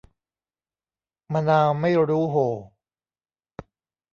มะนาวไม่รู้โห่